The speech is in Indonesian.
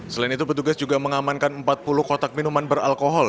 selain itu petugas juga mengamankan empat puluh kotak minuman beralkohol